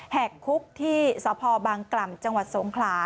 หากคุกที่สพบางกล่ำจังหวัดสงขลา